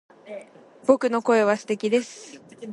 僕の声は素敵です